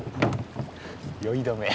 酔い止め。